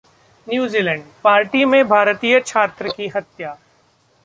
New Zealand party में भारतीय छात्र की हत्या